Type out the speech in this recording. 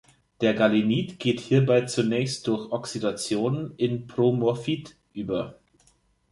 Der Galenit geht hierbei zunächst durch Oxidation in Pyromorphit über.